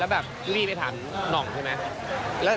แล้วแบบรีบไปถามนองธนาใช่ไหม